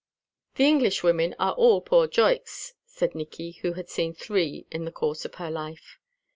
"The Englishwomen are all poor droichs," said Nicky, who had seen three in the course of her life.